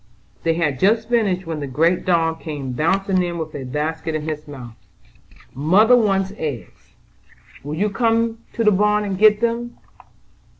They had just finished when the great dog came bouncing in with a basket in his mouth. "Mother wants eggs: will you come to the barn and get them?